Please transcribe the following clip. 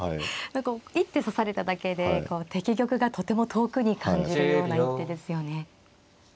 何か一手指されただけで敵玉がとても遠くに感じるような一手ですよね。